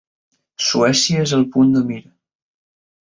Suècia és al punt de mira.